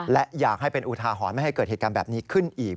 และอยากให้เป็นอุทาหรณ์ไม่ให้เกิดเหตุการณ์แบบนี้ขึ้นอีก